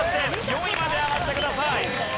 ４位まで上がってください。